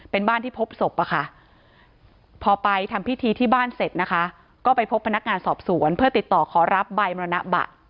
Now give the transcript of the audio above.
เป็นบ้านที่พบศพอะค่ะพอไปทำพิธีที่บ้านเสร็จนะคะก็ไปพบพนักงานสอบสวนเพื่อติดต่อขอรับใบมรณบัตร